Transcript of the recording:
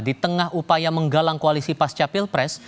di tengah upaya menggalang koalisi pasca pilpres